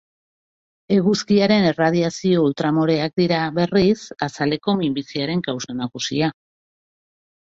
Eguzkiaren erradiazio ultramoreak dira, berriz, azaleko minbiziaren kausa nagusia.